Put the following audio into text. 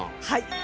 はい！